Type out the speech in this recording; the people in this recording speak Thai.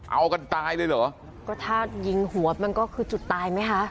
เอากันตายเลยเหรอก็ถ้ายิงหัวมันก็คือจุดตายไหมคะ